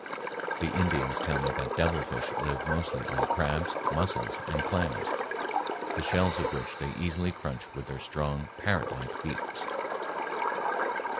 The Indians tell me that devil fish live mostly on crabs, mussels, and clams, the shells of which they easily crunch with their strong, parrot like beaks.